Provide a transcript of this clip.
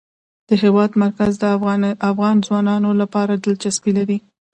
د هېواد مرکز د افغان ځوانانو لپاره دلچسپي لري.